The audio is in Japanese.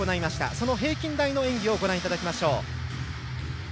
その平均台の演技をご覧いただきましょう。